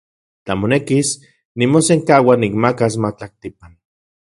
Tla monekis, nimosenkaua nikmakas matlaktipan.